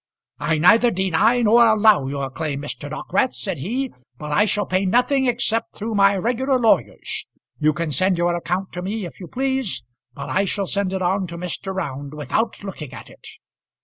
"I neither deny nor allow your claim, Mr. Dockwrath," said he. "But I shall pay nothing except through my regular lawyers. You can send your account to me if you please, but I shall send it on to Mr. Round without looking at it."